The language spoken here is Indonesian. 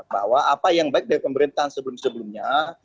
bahwa apa yang baik dari pemerintahan sebelum sebelumnya